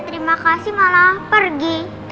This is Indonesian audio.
terima kasih malah pergi